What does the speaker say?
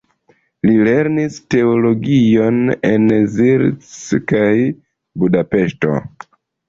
Li lernis teologion en Zirc kaj Budapeŝto.